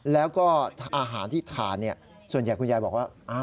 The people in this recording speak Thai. แล้วก็อาหารที่ทานส่วนใหญ่คุณยายบอกว่า